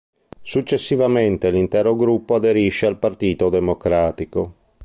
Successivamente l'intero gruppo aderisce al Partito Democratico.